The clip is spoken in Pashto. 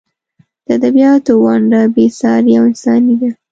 د ادبیاتو ونډه بې سارې او انساني ده.